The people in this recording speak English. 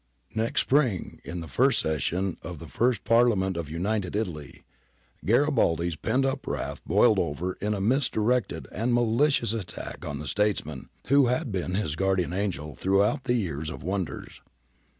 Next spring, in the first session of the first Parliament of United Italy, Garibaldi's pent up wrath boiled over in a misdirected and malicious attack on the statesman who had been his guardian angel throughout the year of wonders.